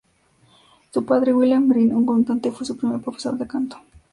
Su padre, William Green, un cantante, fue su primer profesor de canto.